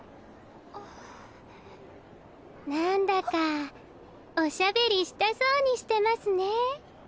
なんだかおしゃべりしたそうにしてますね。